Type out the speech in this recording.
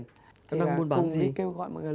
thế là cùng ý kêu gọi mọi người